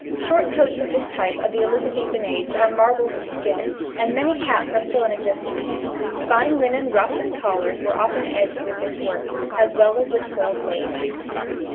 Short coats of this type of the Elizabethan age are marvels of skill, and many caps are still in existence. Fine linen ruffs and collars were often edged with this work, as well as with gold lace.